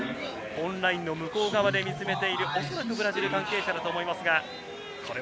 オンラインの向こう側で見つめているブラジルの関係者だと思います。